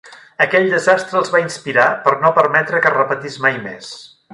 Aquell desastre els va inspirar per no permetre que es repetís mai més.